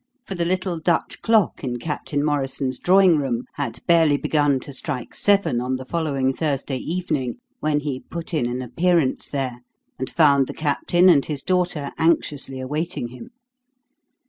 For the little Dutch clock in Captain Morrison's drawing room had barely begun to strike seven on the following Thursday evening when he put in an appearance there, and found the Captain and his daughter anxiously awaiting him.